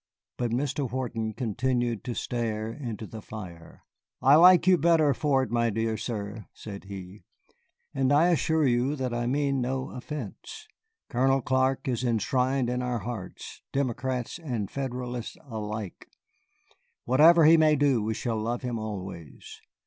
But Mr. Wharton continued to stare into the fire. "I like you the better for it, my dear sir," said he, "and I assure you that I mean no offence. Colonel Clark is enshrined in our hearts, Democrats and Federalists alike. Whatever he may do, we shall love him always.